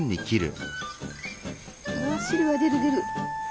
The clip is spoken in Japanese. うわあ汁が出る出る！